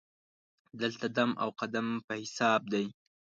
دلته دم او قدم په حساب دی.